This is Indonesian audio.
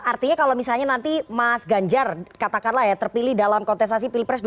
artinya kalau misalnya nanti mas ganjar katakanlah ya terpilih dalam kontestasi pilih presiden